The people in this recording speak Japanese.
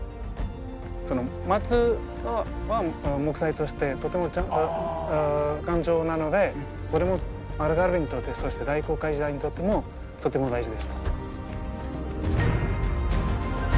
松は木材としてとても丈夫頑丈なのでこれもアルガルヴェにとってそして大航海時代にとってもとても大事でした。